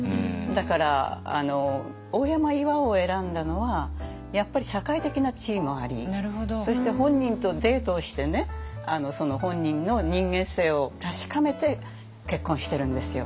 だから大山巌を選んだのはやっぱり社会的な地位もありそして本人とデートをしてねその本人の人間性を確かめて結婚してるんですよ。